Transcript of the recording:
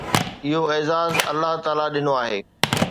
اهو اعزاز الله تعاليٰ ڏنو آهي.